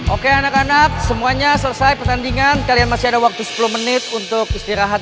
oke anak anak semuanya selesai pertandingan kalian masih ada waktu sepuluh menit untuk istirahat